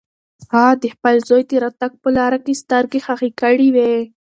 هغه د خپل زوی د راتګ په لاره کې سترګې خښې کړې وې.